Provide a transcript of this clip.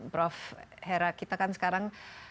prof hera kita kan sekarang